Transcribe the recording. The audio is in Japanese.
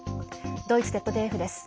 ドイツＺＤＦです。